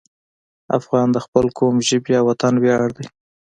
افغان د خپل قوم، ژبې او وطن ویاړ دی.